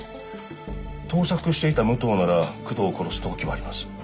盗作していた武藤なら九条を殺す動機はあります。